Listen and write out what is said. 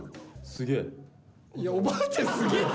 いやおばあちゃん「すげぇ」って。